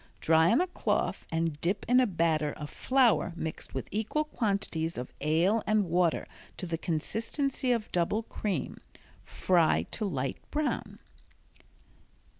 Dry on a cloth and dip in a batter of flour mixed with equal quantities of ale and water to the consistency of double cream. Fry to light brown.